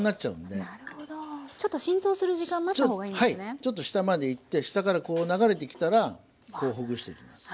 ちょっと下までいって下からこう流れてきたらこうほぐしていきます。